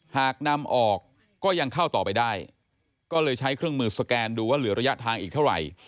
หากนำออกก็ยังเข้าต่อไปได้ก็เลยใช้เครื่องมือสแกนดูว่าเหลือระยะทางอีกเท่าไหร่